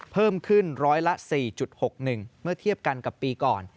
เพิ่มขึ้นร้อยละ๔๖๑เมื่อเทียบกันกับปีก่อน